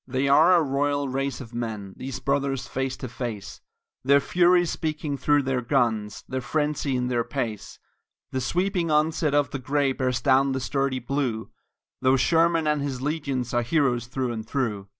They are a royal race of men, these brothers face to face, Their fury speaking through their guns, their frenzy in their pace; The sweeping onset of the Gray bears down the sturdy Blue, Though Sherman and his legions are heroes through and through.